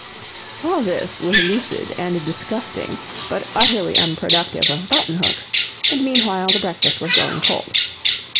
All this was lucid and disgusting, but utterly unproductive of button hooks, and meanwhile the breakfast was growing cold.